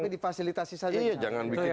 tapi difasilitasi saja iya jangan bikin